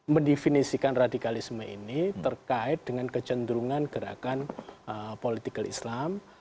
mendefinisikan radikalisme ini terkait dengan kecenderungan gerakan political islam